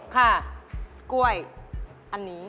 กล้วยอันนี้